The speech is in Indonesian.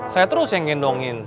saya terus yang gendongin